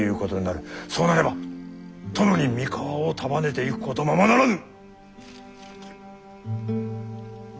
そうなれば殿に三河を束ねていくことままならぬ！